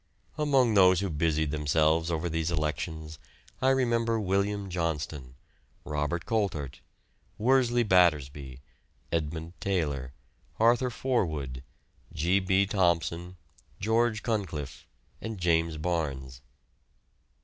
Among those who busied themselves over these elections I remember William Johnston, Robert Coltart, Worsley Battersby, Edmund Taylor, Arthur Forwood, G. B. Thomson, George Cunliffe, and James Barnes.